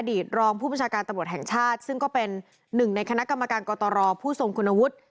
ตรองผู้ประชาการตำรวจแห่งชาติซึ่งก็เป็นหนึ่งในคณะกรรมการกตรผู้ทรงคุณวุฒิ